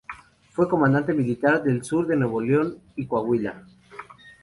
Fue comandante militar del sur de Nuevo León y Coahuila.